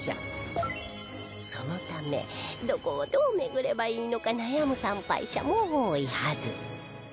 そのためどこをどう巡ればいいのか悩む参拝者も多いはず